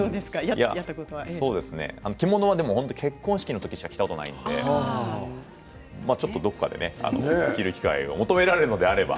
着物は結婚式の時しか着たことがないのでちょっとどこかで、着る機会を、求められるのであれば。